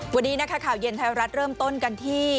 วันนี้นะคะข่าวเย็นไทยรัฐเริ่มต้นกันที่